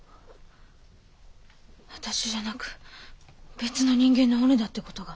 私じゃなく別の人間の骨だって事が。